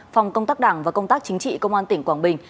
phòng công tác đảng và công tác chính trị công an tỉnh quảng bình